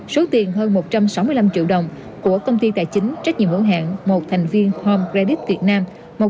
số tiền hơn một trăm sáu mươi năm triệu đồng của công ty tài chính trách nhiệm hữu hạn một thành viên home credit việt nam